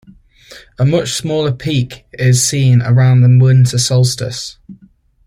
A much smaller peak is seen around the winter solstice.